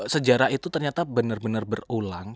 sejarah itu ternyata bener bener berulang